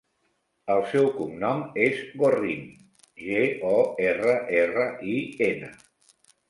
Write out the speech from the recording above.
El seu cognom és Gorrin: ge, o, erra, erra, i, ena.